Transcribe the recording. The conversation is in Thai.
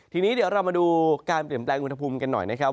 ทีนี้เดี๋ยวเรามาดูการเปลี่ยนแปลงอุณหภูมิกันหน่อยนะครับ